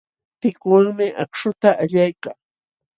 Pikuwanmi akśhuta allaykaa.